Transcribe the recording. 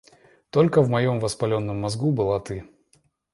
Только в моем воспаленном мозгу была ты!